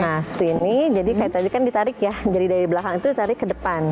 nah seperti ini jadi kayak tadi kan ditarik ya jadi dari belakang itu ditarik ke depan